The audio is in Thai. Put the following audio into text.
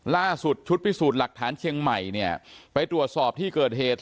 ล่าสุดชุดพิสูจน์หลักฐานเชียงใหม่เนี่ยไปตรวจสอบที่เกิดเหตุ